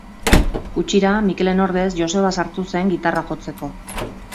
Gutxira Mikelen ordez Joseba sartu zen gitarra jotzeko.